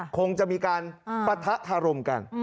คงจะมีการปะทะคารมกัน